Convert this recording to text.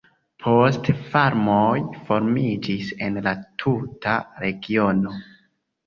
Poste farmoj formiĝis en la tuta regiono.